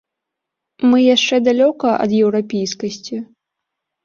Мы яшчэ далёка ад еўрапейскасці?